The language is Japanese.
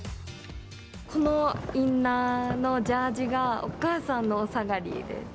このインナーのジャージがお母さんのおさがりです。